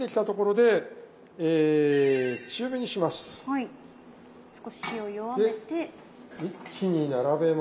で一気に並べます。